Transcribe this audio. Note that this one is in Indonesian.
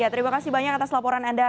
terima kasih banyak atas laporan anda